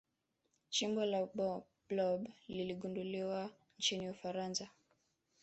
chimbo la blob liligunduliwa nchini ufaransa